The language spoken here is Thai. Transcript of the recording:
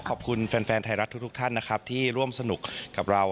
ขอบคุณแฟนไทยรัฐทุกท่านนะครับที่ร่วมสนุกกับเรา